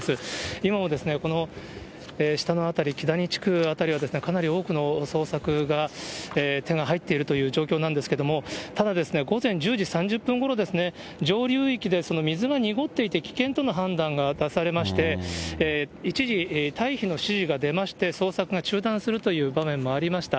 今もこの下の辺り、きだに地区辺りはかなり多くの捜索が、手が入っているという状況なんですけれども、ただ、午前１０時３０分ごろですね、上流域で水が濁っていて危険との判断が出されまして、一時退避の指示が出まして、捜索が中断するという場面もありました。